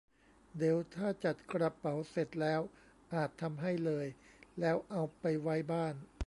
เด๋วถ้าจัดกระเป๋าเสร็จแล้วอาจทำให้เลย แล้วเอาไปไว้บ้าน